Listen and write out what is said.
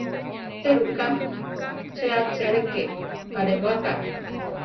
¿Éruka tze achere ke arewaka?